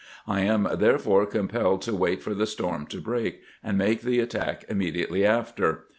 I am therefore compelled to wait for the storm to break, and make the attack immediately after.